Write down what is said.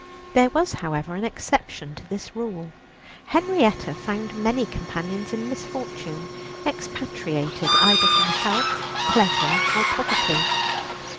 There was, however, an exception to this rule. Henrietta found many companions in misfortune, expatriated either from health, pleasure, or poverty.